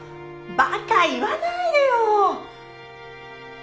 バカ言わないでよ！